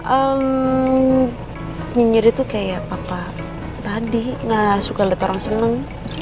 ehm nyinyir itu kayak papa tadi ga suka liat orang seneng